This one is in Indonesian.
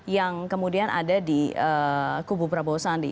yang kemudian ada di kubu prabowo sandi